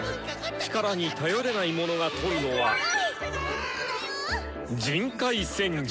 力に頼れない者がとるのは人海戦術！